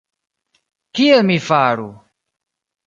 Kiel mi faru!